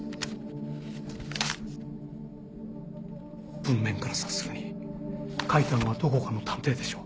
文面から察するに書いたのはどこかの探偵でしょう。